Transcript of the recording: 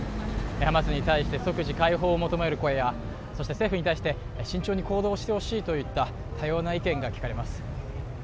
ハマスに対して即時解放を求める声やそして政府に対して慎重に行動してほしいといった多様な意見が聞かれます